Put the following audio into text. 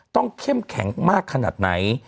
เข้มแข็งมากขนาดไหน